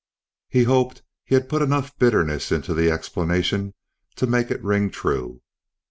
He hoped he had put enough bitterness into the explanation to make it ring true.